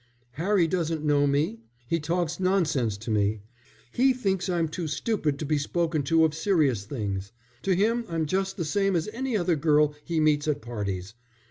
"Harry doesn't know me. He talks nonsense to me. He thinks I'm too stupid to be spoken to of serious things. To him I'm just the same as any other girl he meets at parties.